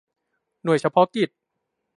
หน่วยเฉพาะกิจ